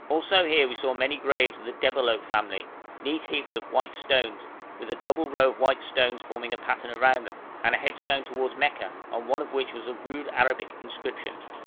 Also here we saw many graves of the Debalohp family neat heaps of white stones, with a double row of white stones forming a pattern around them, and a headstone towards Mecca, on one of which was a rude Arabic inscription.